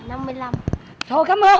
trời ơi cảm ơn